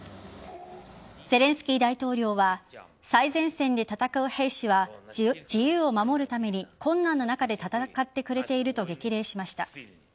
ゼレンスキー大統領は最前線で戦う兵士は自由を守るために困難な中で戦ってくれていると激励しました。